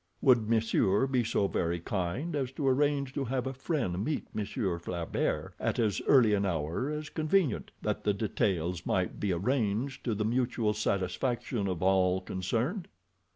Would monsieur be so very kind as to arrange to have a friend meet Monsieur Flaubert at as early an hour as convenient, that the details might be arranged to the mutual satisfaction of all concerned?